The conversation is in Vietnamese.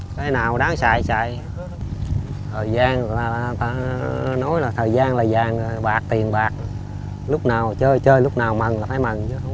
cái nào đáng xài xài nói là thời gian là vàng bạc tiền bạc lúc nào chơi lúc nào mặn là phải mặn chứ không